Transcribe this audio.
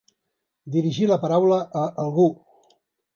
Dirigir la paraula a algú.